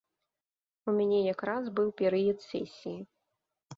У мяне якраз быў перыяд сесіі.